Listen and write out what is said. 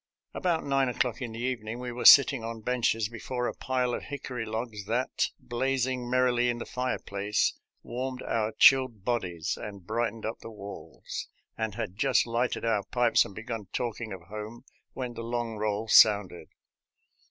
About nine o'clock in the evening we were sitting on benches before a pile of hickory logs that, blazing merrily in the fireplace, warmed our chilled bodies and brightened up the walls, and had just lighted our pipes and begun talking of home, when the long roll sounded.